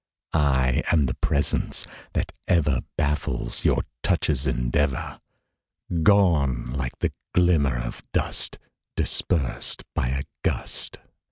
I am the presence that ever Baffles your touch's endeavor, Gone like the glimmer of dust Dispersed by a gust.